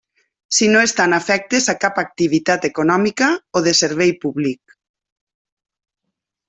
Si no estan afectes a cap activitat econòmica o de servei públic.